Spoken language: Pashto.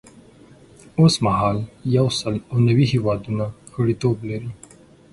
اوس مهال یو سل او یو نوي هیوادونه غړیتوب لري.